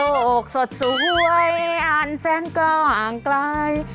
โลกสดสวยอานแซนเกลาห่างไกล